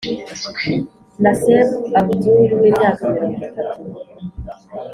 nasseb abdul w’imyaka mirongo itatu